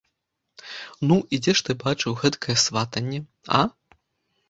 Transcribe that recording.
Ну, дзе ж ты бачыў гэткае сватанне, а?